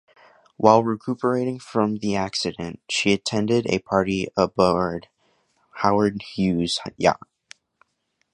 While recuperating from the accident, she attended a party aboard Howard Hughes' yacht.